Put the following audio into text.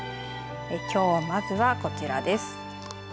きょうまずはこちらです。